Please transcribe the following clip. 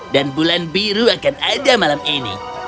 dan bulan biru akan ada malam ini